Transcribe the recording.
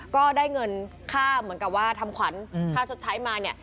ก็ได้เงินค่าเหมือนกับว่าทำขวัญค่าชดใช้มาเนี่ย